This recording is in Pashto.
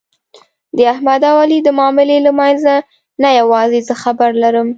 د احمد او علي د معاملې له منځ نه یووازې زه خبر لرم.